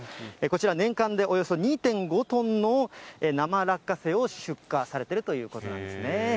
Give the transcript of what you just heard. こちら、年間でおよそ２．５トンの生落花生を出荷されているということなんですね。